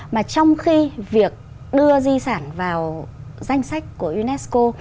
mà trong khi việc đưa di sản vào danh sách của unesco